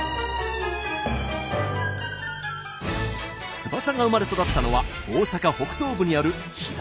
翼が生まれ育ったのは大阪北東部にある枚方市。